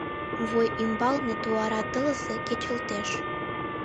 Вуй ӱмбалне туара тылзе кечылтеш.